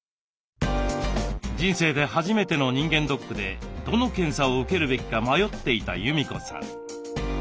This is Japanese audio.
人生で初めての人間ドックでどの検査を受けるべきか迷っていた裕美子さん。